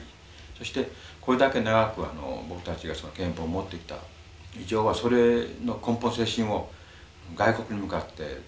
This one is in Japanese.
そしてこれだけ長く僕たちが憲法を持ってきた以上はそれの根本精神を外国に向かって主張する権利があると思うんですね。